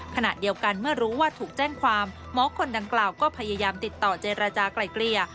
ขณะเดียวกันเมื่อรู้ว่าถูกแจ้งความหมอคนดังกล่าวก็พยายามติดต่อเจรจากลายเกลี่ย